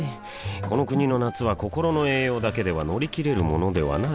この国の夏は心の栄養だけでは乗り切れるものではない